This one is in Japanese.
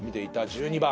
１２番。